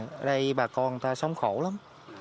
ở đây bà con người ta sống khổ lắm